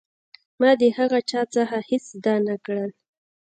ما د هغه چا څخه هېڅ زده نه کړل.